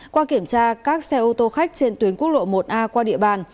qua kiểm tra các xe ô tô khách trên tuyến quốc lộ một a qua địa bàn